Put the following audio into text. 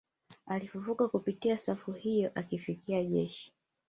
Alifufuka kupitia safu hiyo akifikia jeshi